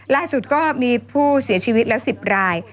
ล่าสุดก็มีผู้เสียชีวิตแล้ว๑๐ราย